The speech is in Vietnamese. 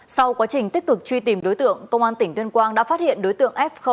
sau quá trình tích cực truy tìm đối tượng công an tỉnh tuyên quang đã phát hiện đối tượng f